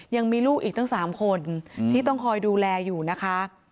ยังมีลูกอีกตั้ง๓คนที่ต้องคอยดูแลอยู่นะคะ